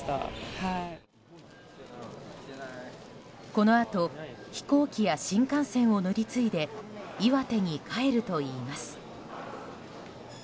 このあと飛行機や新幹線を乗り継いで岩手に帰るといいます。